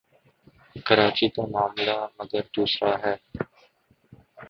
کراچی کا معاملہ مگر دوسرا ہے۔